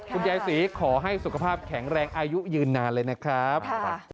คุณยายศรีขอให้สุขภาพแข็งแรงอายุยืนนานเลยนะครับ